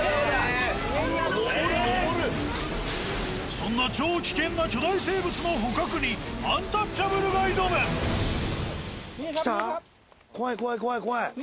［そんな超危険な巨大生物の捕獲にアンタッチャブルが挑む］きた？